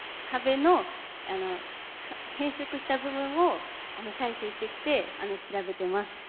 壁の変色した部分を採取してきて調べてます。